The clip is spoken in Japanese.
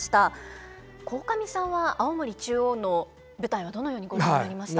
鴻上さんは青森中央の舞台はどのようにご覧になりましたか？